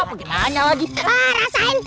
aduh aduh aduh